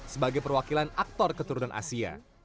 sebagai perwakilan aktor keturunan asia